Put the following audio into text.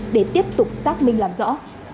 để tiếp tục xác minh làm rõ